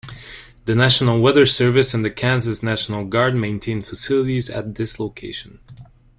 The National Weather Service and the Kansas National Guard maintain facilities at this location.